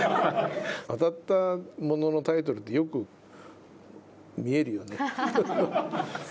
当たったもののタイトルって良く見えるよね。